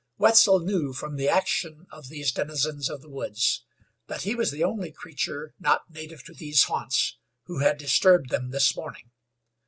Wetzel knew from the action of these denizens of the woods that he was the only creature, not native to these haunts, who had disturbed them this morning.